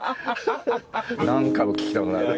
何回も聴きたくなる。